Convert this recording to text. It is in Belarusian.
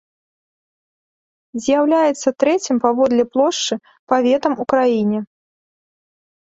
З'яўляецца трэцім паводле плошчы паветам у краіне.